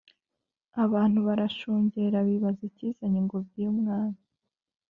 abantu barashungera bibaza ikizanye ingobyi yumwami